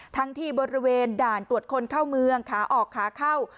ทั้งที่บริเวณด่านตรวจคนเข้าเมืองขาออกขาเข้า